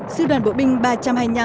sư đoàn bộ binh ba trăm hai mươi năm